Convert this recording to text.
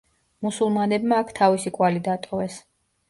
მუსულმანებმა აქ თავისი კვალი დატოვეს.